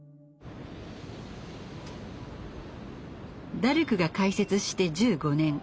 ダルクが開設して１５年。